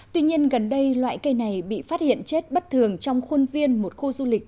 tuy nhiên gần đây loại cây này bị phát hiện chết bất thường trong khuôn viên một khu du lịch